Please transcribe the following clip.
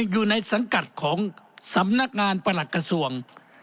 อยู่ในสังกัดของสำนักงานประหลักกระทรวง